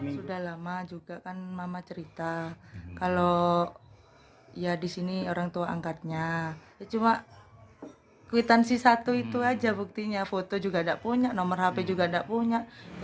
kalau dia mau kalau dia memang mengizinkan saya gombol sama ria ya tidak apa apa